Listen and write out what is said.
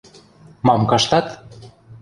Мам каштат?